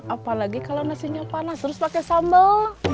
apalagi kalau nasinya panas terus pakai sambal